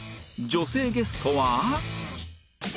女性ゲストは？